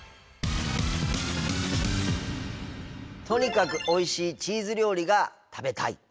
とにかくおいしいチーズ料理が食べたい。